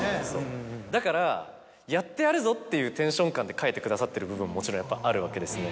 だから。っていうテンション感で書いてくださってる部分ももちろんあるわけですね。